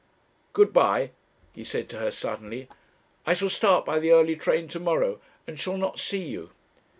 'Good bye,' he said to her suddenly; 'I shall start by the early train to morrow, and shall not see you.'